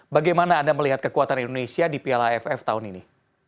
bagaimana anda melihat kekuatan indonesia di piala aff tahun ini